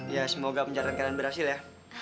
ya semoga perjalanan kalian berhasil ya